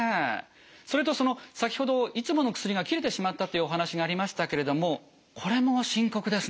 それと先ほどいつもの薬がきれてしまったっていうお話がありましたけれどもこれも深刻ですね。